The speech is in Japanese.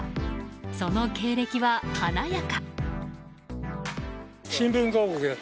その経歴は華やか。